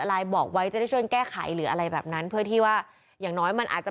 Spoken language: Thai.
บอกไว้จะได้ช่วยแก้ไขหรืออะไรแบบนั้นเพื่อที่ว่าอย่างน้อยมันอาจจะ